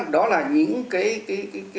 đó là những cái